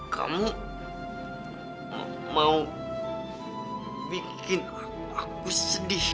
kamu mau bikin aku sedih